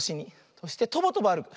そしてとぼとぼあるく。